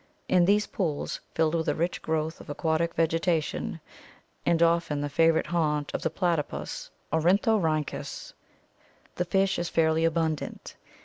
In these pools, filled with a rich growth of aquatic vegetation, and often the favorite haunt of the platypus (Ornithorhynchus), the fish is fairly abundant.